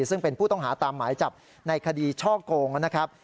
ซึ่งเป็นผู้ต้องหาตามหมายจับในคดีช่อโกงนะครับ